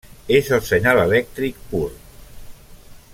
És el senyal elèctric pur.